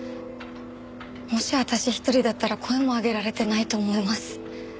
もし私一人だったら声も上げられてないと思います。